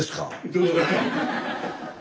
どうぞ。